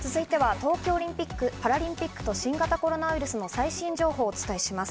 東京オリンピック・パラリンピックと新型コロナウイルスの最新情報をお伝えします。